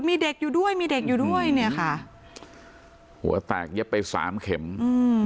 มีเด็กอยู่ด้วยมีเด็กอยู่ด้วยเนี่ยค่ะหัวแตกเย็บไปสามเข็มอืม